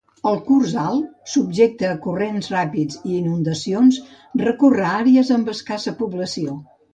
El curs alt, subjecte a corrents ràpids i inundacions, recorre àrees amb escassa població.